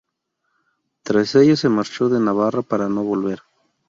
Tras ello se marchó de Navarra para no volver.